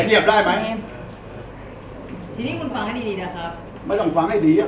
เพราะคุณพูดไว้อย่างนั้นค่ะ